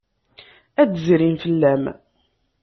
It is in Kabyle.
Ad d-zrin fell-am.